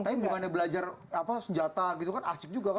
tapi bukannya belajar senjata gitu kan asyik juga kan